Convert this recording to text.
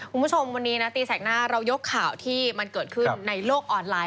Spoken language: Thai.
คุณผู้ชมวันนี้นะตีแสกหน้าเรายกข่าวที่มันเกิดขึ้นในโลกออนไลน์